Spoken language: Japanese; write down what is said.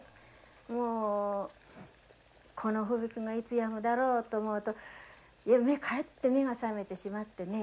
もうこの吹雪がいつやむだろうと思うとかえって目が覚めてしまってね